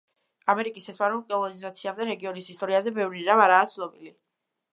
ამერიკის ესპანურ კოლონიზაციამდე, რეგიონის ისტორიაზე ბევრი რამ არაა ცნობილი.